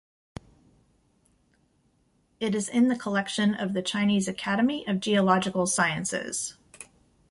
It is in the collection of the Chinese Academy of Geological Sciences.